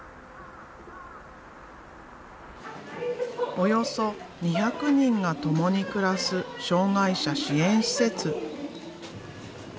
およそ２００人がともに暮らす障害者支援施設。